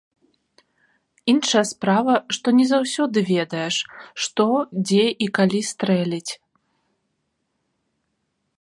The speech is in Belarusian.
Іншая справа, што не заўсёды ведаеш, што, дзе і калі стрэліць.